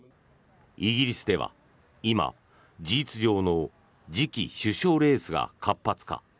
イギリスでは、今、事実上の次期首相レースが活発化。